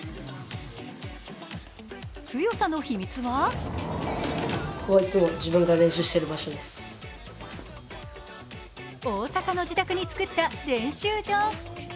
強さの秘密は大阪の自宅に作った練習場。